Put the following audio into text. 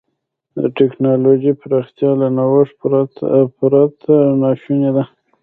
د ټکنالوجۍ پراختیا له نوښت پرته ناشونې ده.